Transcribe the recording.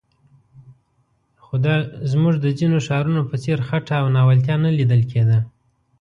خو د زموږ د ځینو ښارونو په څېر خټه او ناولتیا نه لیدل کېده.